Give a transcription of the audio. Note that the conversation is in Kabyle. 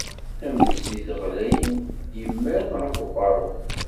Am zzit ɣlayen yemmaren ɣef uqerru.